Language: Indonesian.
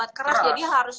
itu termasuk obat yang keras